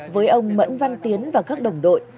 với ông mẫn văn tiến và các đồng đội